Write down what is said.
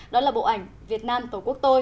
đó là bộ ảnh việt nam tổ quốc tôi